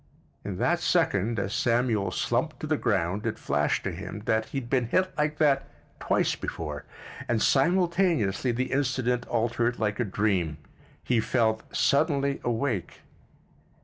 In that second, as Samuel slumped to the ground, it flashed to him that he had been hit like that twice before, and simultaneously the incident altered like a dream—he felt suddenly awake.